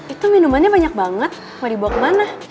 itu minumannya banyak banget mau dibawa kemana